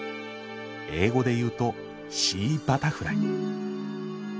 英語で言うとシーバタフライ。